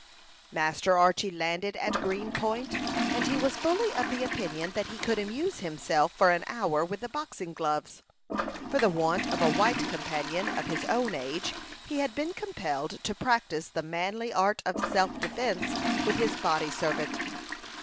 Master Archy landed at Green Point, and he was fully of the opinion that he could amuse himself for an hour with the boxing gloves. For the want of a white companion of his own age, he had been compelled to practise the manly art of self defence with his body servant.